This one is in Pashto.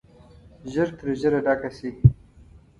ژر تر ژره ډکه شي.